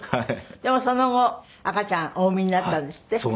でもその後赤ちゃんお産みになったんですって？